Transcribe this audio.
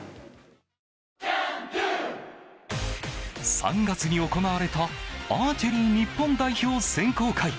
３月に行われたアーチェリー日本代表選考会。